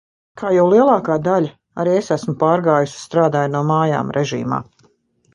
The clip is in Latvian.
Kā jau lielākā daļa, arī es esmu pārgājusi "strādāju no mājām" režīmā.